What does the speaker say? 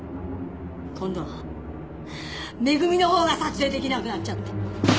今度は恵のほうが撮影できなくなっちゃって。